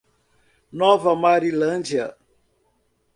Nova Marilândia